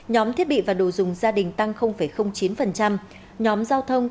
nhóm thiết bị và đồ dùng gia đình tăng chín nhóm giao thông